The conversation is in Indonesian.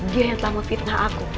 dia yang telah memfitnah aku